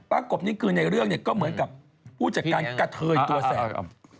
ป๊ากกนี่คือในเรื่องก็เหมือนกับผู้จัดการกะเทยตัวแซ่บ